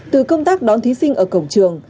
từ công tác đón thí sinh ở cổng trường